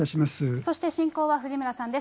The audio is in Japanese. そして進行は藤村さんです。